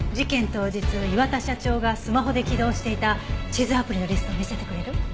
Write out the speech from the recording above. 当日磐田社長がスマホで起動していた地図アプリのリストを見せてくれる？